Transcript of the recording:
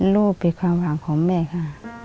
ลูกเป็นความหวังของแม่ค่ะ